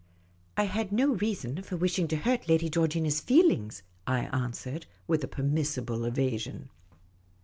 " I had no reason for wishing to hurt Lady Georgina's feelings," I answered, with a permissible evasion.